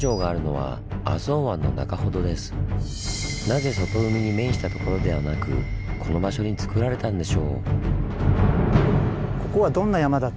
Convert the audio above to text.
なぜ外海に面したところではなくこの場所につくられたんでしょう？